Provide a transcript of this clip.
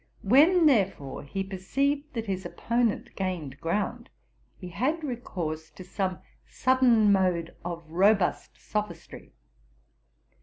When, therefore, he perceived that his opponent gained ground, he had recourse to some sudden mode of robust sophistry.